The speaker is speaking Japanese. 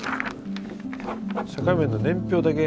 社会面の年表だけ。